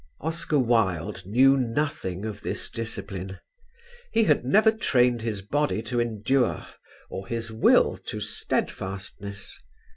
Oscar Wilde knew nothing of this discipline. He had never trained his body to endure or his will to steadfastness.